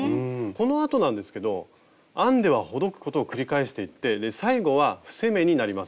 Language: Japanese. このあとなんですけど編んではほどくことを繰り返していって最後は伏せ目になります。